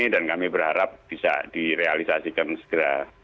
dan kami berharap bisa direalisasikan segera